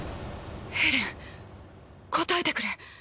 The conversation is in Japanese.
エレン答えてくれ。